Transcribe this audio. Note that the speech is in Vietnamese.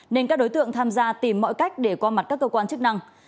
nên các đối tượng tham gia tìm mọi cách để qua mặt các cơ quan chức năng